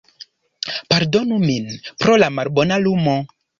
Pardonu min pro la malbona lumo